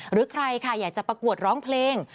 หรือใครค่ะอยากจะประกวดร้องเพลง